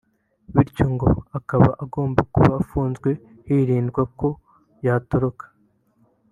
bityo ngo akaba agomba kuba afunze hirindwa ko yatoroka